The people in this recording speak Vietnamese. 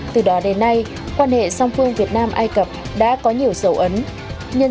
từ đó đến nay quan hệ song phương việt nam ai cập đã có nhiều dấu ấn